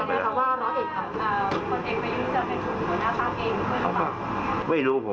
ไม่รู้ผมไม่รู้ไม่เห็นผู้กับผม